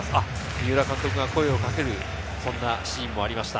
三浦監督が声をかけるシーンもありました。